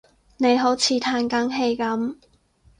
你好似歎緊氣噉